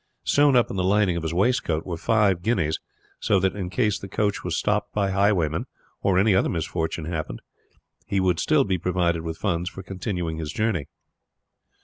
Sewn up in the lining of his waistcoat were five guineas, so that in case the coach was stopped by highwaymen, or any other misfortune happened, he would still be provided with funds for continuing his journey.